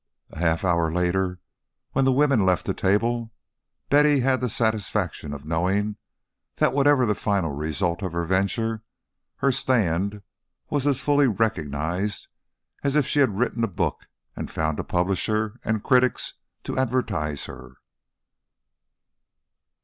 A half hour later, when the women left the table, Betty had the satisfaction of knowing that whatever the final result of her venture, her stand was as fully recognized as if she had written a book and found a publisher and critics to advertise her.